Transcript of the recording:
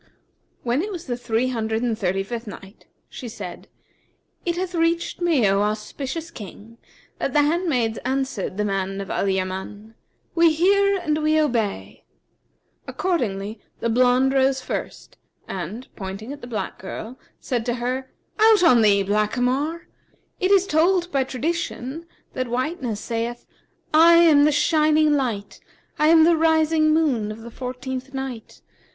When it was the Three Hundred and Thirty fifth Night, She said, It hath reached me, O auspicious King, that the handmaids answered the man of Al Yaman, "'We hear and we obey!' Accordingly the blonde rose first and, pointing at the black girl, said to her: 'Out on thee, blackamoor! It is told by tradition that whiteness saith, 'I am the shining light, I am the rising moon of the fourteenth night.